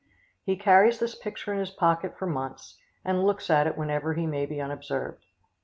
He carries this picture in his pocket for months, and looks at it whenever he may be unobserved.